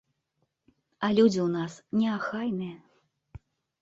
А людзі ў нас неахайныя.